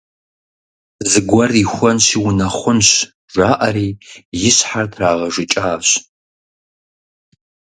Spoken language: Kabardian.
«Зыгуэр ихуэнщи унэхъунщ», – жаӏэри, и щхьэр трагъэжыкӏащ.